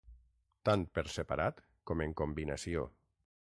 Tant per separat com en combinació.